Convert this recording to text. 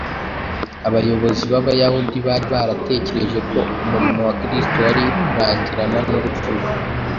Abayobozi b’Abayahudi bari baratekereje ko umurimo wa Kristo wari kurangirana n’urupfu rwe;